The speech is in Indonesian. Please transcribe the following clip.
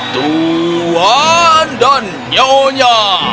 tuan dan nyonya